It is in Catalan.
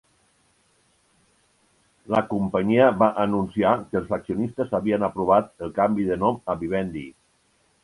La companyia va anunciar que els accionistes havien aprovat el canvi de nom a "Vivendi".